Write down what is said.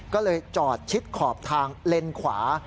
ก็เลยจอดชิดขอบทางเลนขวา